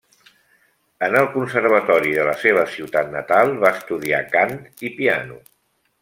En el Conservatori de la seva ciutat natal va estudiar cant i piano.